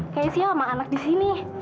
kayaknya siapa sama anak di sini